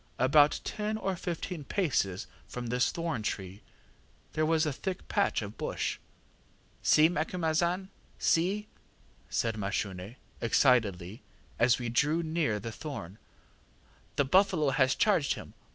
About ten or fifteen paces from this thorn tree there was a thick patch of bush. ŌĆ£ŌĆśSee, Macumazahn! see! ŌĆÖ said Mashune, excitedly, as we drew near the thorn; ŌĆśthe buffalo has charged him.